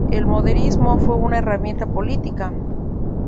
El modernismo fue una herramienta política.